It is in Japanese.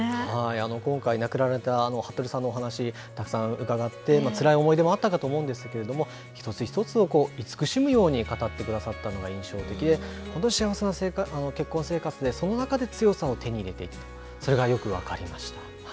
今回、亡くなられた服部さんのお話、たくさん伺って、つらい思い出もあったかと思うんですけれども、一つ一つを慈しむように語ってくださったのが印象的で、本当に幸せな結婚生活で、その中で強さを手に入れていった、それがよく分かりました。